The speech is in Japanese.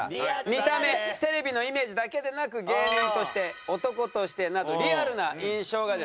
見た目テレビのイメージだけでなく芸人として男としてなどリアルな印象がですね